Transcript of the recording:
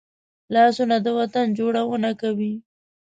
لاسونه د وطن جوړونه کوي